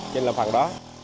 trên lâm phần hộ